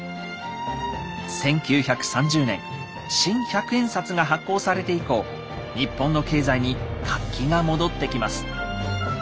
１９３０年新百円札が発行されて以降日本の経済に活気が戻ってきます。